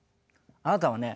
あなたはね